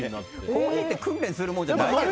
コーヒーって訓練するものじゃないよね。